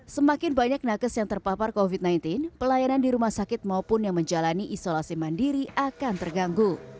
semakin banyak nakes yang terpapar covid sembilan belas pelayanan di rumah sakit maupun yang menjalani isolasi mandiri akan terganggu